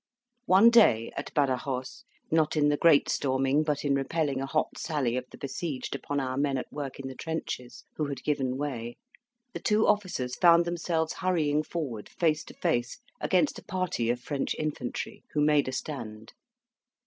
One day, at Badajos, not in the great storming, but in repelling a hot sally of the besieged upon our men at work in the trenches, who had given way, the two officers found themselves hurrying forward, face to face, against a party of French infantry, who made a stand.